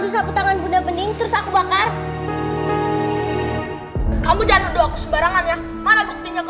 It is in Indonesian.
sampai jumpa di video selanjutnya